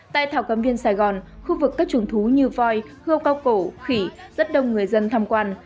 tại thảo cầm viên sài gòn khu vực các trùng thú như voi hươ cao cổ khỉ rất đông người dân tham quan